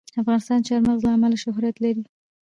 افغانستان د چار مغز له امله شهرت لري.